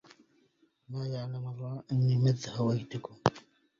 ما يعلم الله أني مذ هويتكم